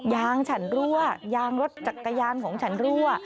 ยางฉันรั่วยางรถจักรยานของฉันรั่ว